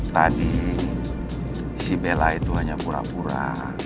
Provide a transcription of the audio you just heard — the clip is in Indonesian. tadi si bella itu hanya pura pura